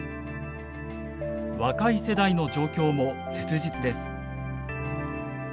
若い世代の状況も切実です。